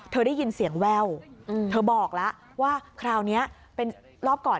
ได้ยินเสียงแว่วเธอบอกแล้วว่าคราวนี้เป็นรอบก่อน